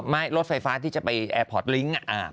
รถไฟฟ้าที่จะไปแอร์พอร์ตลิงก์